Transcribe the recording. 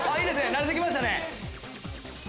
慣れて来ましたね。